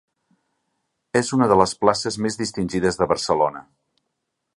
És una de les places més distingides de Barcelona.